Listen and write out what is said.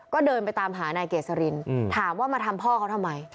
ก็เดินไปตามหานายเกษรินถามว่ามาทำพ่อเขาทำไม